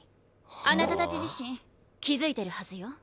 あなたたち自身気づいてるはずよ。